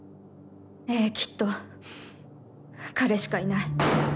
ええきっと彼しかいない。